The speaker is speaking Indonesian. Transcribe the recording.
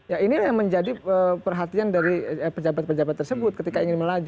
ya inilah yang menjadi perhatian dari pejabat pejabat tersebut ketika ingin melaju